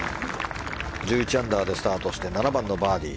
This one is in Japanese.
１１アンダーでスタートして７番バーディー。